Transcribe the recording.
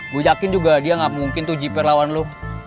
gue yakin juga dia gak mungkin tuji perlawan lo